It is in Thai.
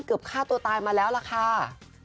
ฆ่าตัวตายมาแล้วล่ะค่ะ